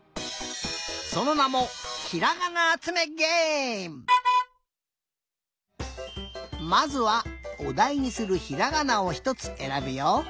そのなもまずはおだいにするひらがなをひとつえらぶよ。